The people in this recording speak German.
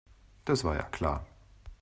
Das war ja klar.